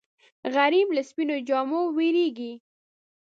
غریب له سپینو جامو وېرېږي